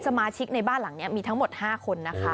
สมาชิกในบ้านหลังเนี่ยมีทั้งหมด๕คน